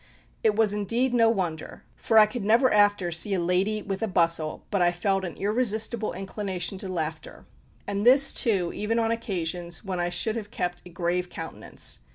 It was indeed no wonder, for I could never after see a lady with a bustle but I felt an irresistible inclination to laughter, and this too even on occasions when I should have kept a grave countenance.